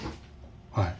はい。